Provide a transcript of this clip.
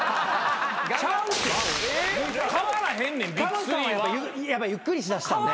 タモリさんはやっぱりゆっくりしだしたんで。